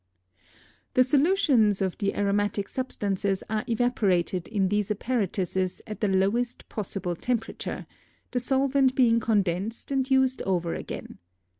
] The solutions of the aromatic substances are evaporated in these apparatuses at the lowest possible temperature, the solvent being condensed and used over again.